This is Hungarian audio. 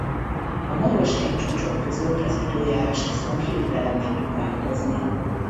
A magas hegycsúcsok között az időjárás viszont hirtelen meg tud változni.